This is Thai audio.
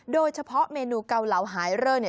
โดยเฉพาะเมนูเกาเหลาหายเรื่อง